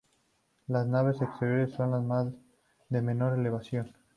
Las naves exteriores son las de menor elevación.